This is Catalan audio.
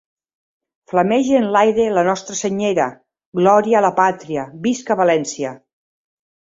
Flamege en l'aire la nostra Senyera! Glòria a la Pàtria! Visca València!